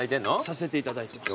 させていただいてます。